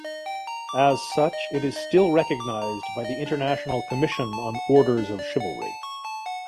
As such, it is still recognised by the International Commission on Orders of Chivalry.